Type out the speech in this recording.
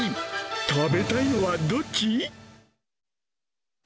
食べたいのはどっち？